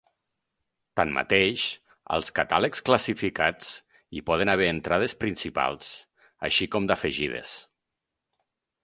Tanmateix, als catàlegs classificats hi poden haver entrades principals, així com d'afegides.